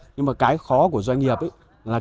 nhưng mà cái khó của doanh nghiệp là cái vốn đầu tư